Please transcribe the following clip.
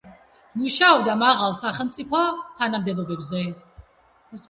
მუშაობდა მაღალ სახელმწიფო თანამდებობებზე.